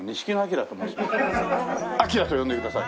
旦と呼んでください。